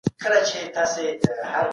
کله قانون پر ټولو مساوي تطبیق کیږي؟